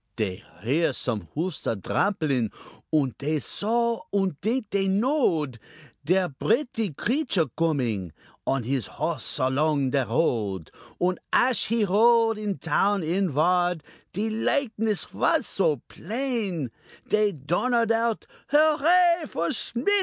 Dey hear some hoofs a dramplin, Und dey saw, und dinked dey knowed, Der bretty greature coomin, On his horse along de road; Und ash he ride town in ward De likeness vas so plain Dey donnered out, "Hooray for Schmit!"